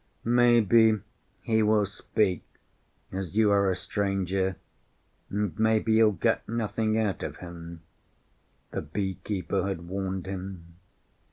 "Maybe he will speak as you are a stranger and maybe you'll get nothing out of him," the beekeeper had warned him.